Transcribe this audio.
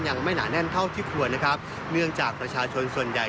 ยังไม่หนาแน่นเท่าที่ควรเนื่องจากประชาชนส่วนใหญ่